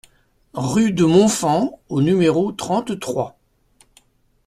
Rue de Montfand au numéro trente-trois